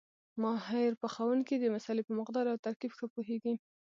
ماهر پخوونکی د مسالې په مقدار او ترکیب ښه پوهېږي.